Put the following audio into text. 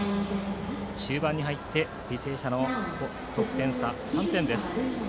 中盤に入って履正社との得点差は３点です。